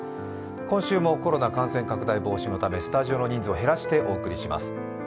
今週もコロナ感染拡大のためスタジオの人数を減らしてお伝えします。